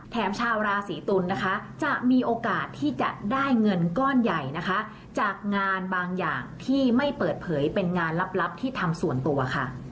ชาวราศีตุลนะคะจะมีโอกาสที่จะได้เงินก้อนใหญ่นะคะจากงานบางอย่างที่ไม่เปิดเผยเป็นงานลับที่ทำส่วนตัวค่ะ